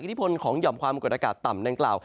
อิทธิพลของหย่อมความกดอากาศต่ำนั้นกล่าว